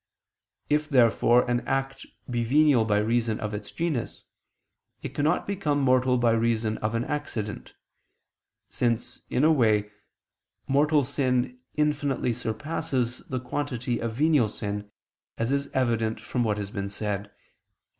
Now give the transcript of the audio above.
If, therefore, an act be venial by reason of its genus, it cannot become mortal by reason of an accident: since, in a way, mortal sin infinitely surpasses the quantity of venial sin, as is evident from what has been said (Q.